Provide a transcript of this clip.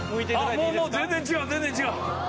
もう全然違う全然違う。